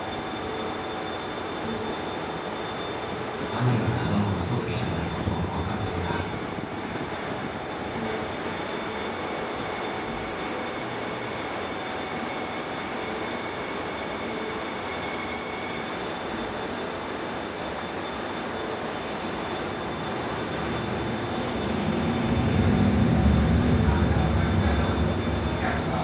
兄がただのうそつきじゃないことは分かっていただからさっきから何べんも言うてるやんか。